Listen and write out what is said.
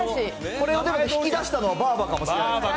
これを引き出したのはばあばかもしれない。